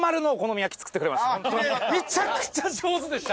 めちゃくちゃ上手でした！